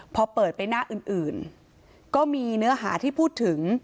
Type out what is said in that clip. พอเปิดไปหน้าอื่นก็มีเนื้อหาที่พูดถึง